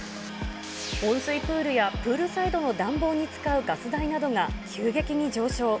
温水プールやプールサイドの暖房に使うガス代などが急激に上昇。